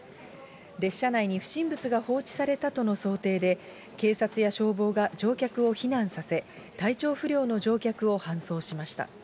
列車内に不審物が放置されたとの想定で、警察や消防が乗客を避難させ、体調不良の乗客を搬送しました。